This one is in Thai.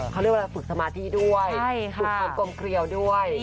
เขาเรียกว่าฝึกสมาธิด้วยฝึกกลมก๋วยด้วย